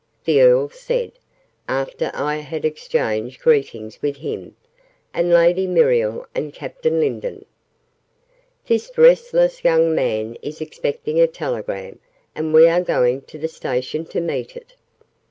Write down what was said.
the Earl said, after I had exchanged greetings with him, and Lady Muriel, and Captain Lindon. "This restless young man is expecting a telegram, and we are going to the Station to meet it."